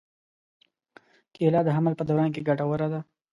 کېله د حمل په دوران کې ګټوره ده.